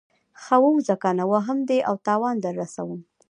ځه ووځه کنه وهم دې او تاوان در رسوم.